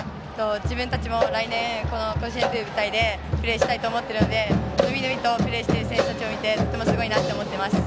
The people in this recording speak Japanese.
自分たちも来年甲子園という舞台でプレーしたいと思っているので伸び伸びとプレーしている選手たちを見てとてもすごいなと思っています。